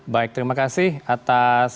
baik terima kasih atas